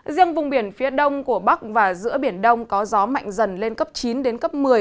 riêng vùng biển phía đông của bắc và giữa biển đông có gió mạnh dần lên cấp chín đến cấp một mươi